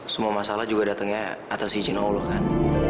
semua masalah juga datangnya atas izin allah kan